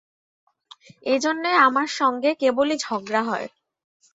ঐজন্যেই আমার সঙ্গে কেবলই ঝগড়া হয়।